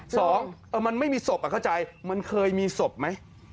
สองมันไม่มีศพเข้าใจมันเคยมีศพไหม